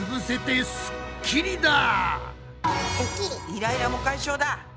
イライラも解消だ。